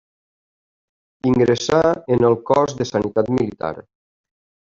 Ingressà en el cos de sanitat militar.